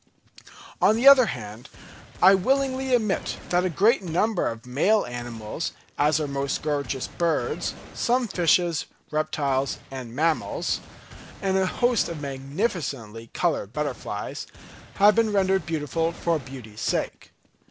On the other hand, I willingly admit that a great number of male animals, as all our most gorgeous birds, some fishes, reptiles, and mammals, and a host of magnificently coloured butterflies, have been rendered beautiful for beauty's sake.